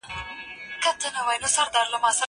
زه به بوټونه پاک کړي وي!